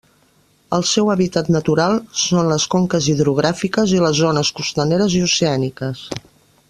El seu hàbitat natural són les conques hidrogràfiques i les zones costaneres i oceàniques.